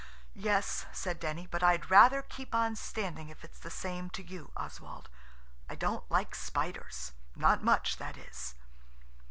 "Yes," said Denny; "but I'd rather keep on standing if it's the same to you, Oswald. I don't like spiders–not much, that is."